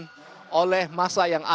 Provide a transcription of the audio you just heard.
yang akan dilakukan oleh masa yang akan